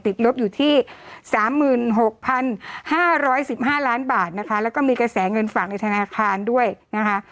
ติดลบอยู่ที่สามหมื่นหกพันห้าร้อยสิบห้าร้านบาทนะคะแล้วก็มีกระแสเงินฝากในธนาคารด้วยนะคะ